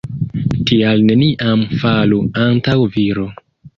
Tial neniam falu antaŭ viro.